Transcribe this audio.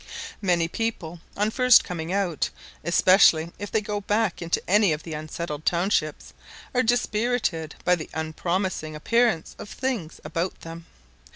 Many persons, on first coming out, especially if they go back into any of the unsettled townships, are dispirited by the unpromising appearance of things about them.